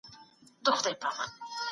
د تیرو کلونو پیل له بدلونونو ډک و.